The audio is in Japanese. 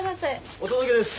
お届けです！